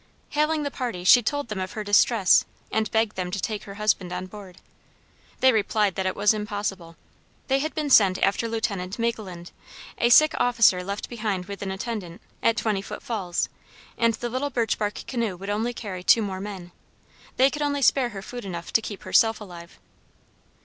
Hailing the party, she told them of her distress and begged them to take her husband on board. They replied that it was impossible. They had been sent after Lieutenant Macleland, a sick officer left behind with an attendant, at Twenty foot Falls, and the little birch bark canoe would only carry two more men. They could only spare her food enough to keep herself alive.